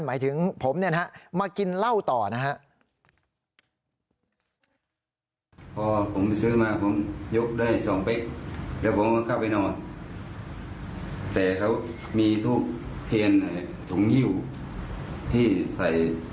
หมายถึงผมเนี่ยนะฮะมากินเหล้าต่อนะฮะ